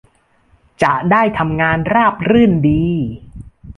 จะได้ทำงานราบรื่นดี